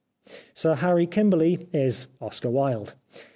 Sir Harry Kimberly is Oscar Wilde.